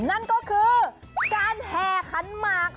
นั่นก็คือการแห่ขันหมาก